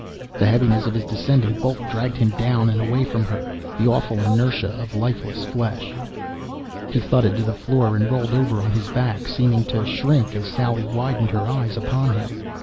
The heaviness of his descending bulk dragged him down and away from her, the awful inertia of lifeless flesh. He thudded to the floor and rolled over on his back, seeming to shrink as Sally widened her eyes upon him.